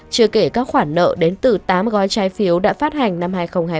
chưa kể các khoản nợ đến từ tám gói trái phiếu đã phát hành năm hai nghìn hai mươi ba